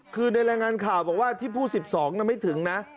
คือในรายงานข่าวบอกว่าที่ผู้๑๒ไม่ถึงนะ